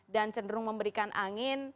dan cenderung memberikan angin